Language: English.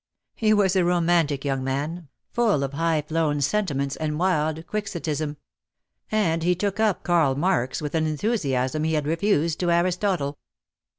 He was a romantic young man, full of high flown sentiments and wild Quixotism; and PEAD LOVE HAS CHAINS. 59 he took up Karl Marx with an enthusiasm he had refused to Aristotle.